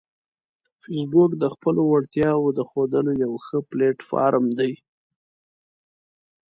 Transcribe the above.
فېسبوک د خپلو وړتیاوو د ښودلو یو ښه پلیټ فارم دی